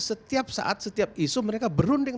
setiap saat setiap isu mereka berunding